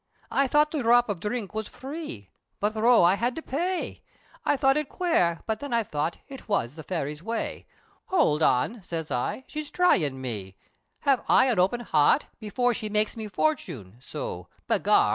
I thought the dhrop of dhrink was free, But throth I had to pay! I thought it quare, but then I thought, It was the fairy's way; "Howld on" siz I, "she's thryin' me, Have I an open heart, Before she makes me fortune," so, Begar!